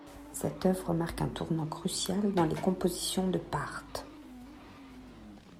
Cette œuvre marque un tournant crucial dans les compositions de Pärt.